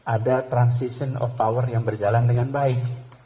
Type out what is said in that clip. ada transition of power yang berjalan dengan baik